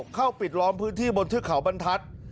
เข้าปิดล้อมพื้นที่บนเทือกเขาบรรทัศน์